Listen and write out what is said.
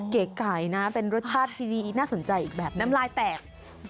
เก๋ไก่นะเป็นรสชาติที่ดีน่าสนใจอีกแบบน้ำลายแตก